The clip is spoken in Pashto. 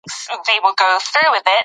ملت چې بری وموند، شرقي ملت وو.